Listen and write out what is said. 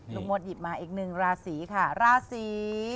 ลูกมดหยิบมาอีกหนึ่งลาศรีค่ะลาศรี